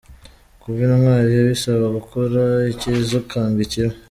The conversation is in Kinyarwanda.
Kuba intwari bisaba gukora icyiza ukanga ikibi.